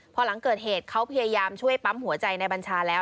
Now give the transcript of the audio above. พอหลังเกิดเหตุเขาพยายามช่วยปั๊มหัวใจในบัญชาแล้ว